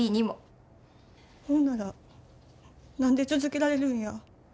ほんなら何で続けられるんや？